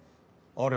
あれ？